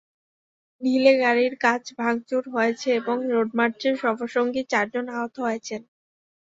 ঢিলে গাড়ির কাচ ভাঙচুর করা হয়েছে এবং রোডমার্চের সফরসঙ্গী চারজন আহত হয়েছেন।